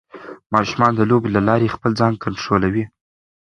ماشومان د لوبو له لارې خپل ځان کنټرولوي.